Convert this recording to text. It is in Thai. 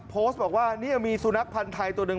โพสต์บอกว่าเนี่ยมีสุนัขพันธ์ไทยตัวหนึ่ง